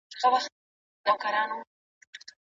ازمويل سوي اشخاص له سترو نيکمرغيو څخه برخمن سوي دي.